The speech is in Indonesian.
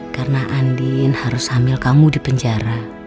karena andin harus hamil kamu di penjara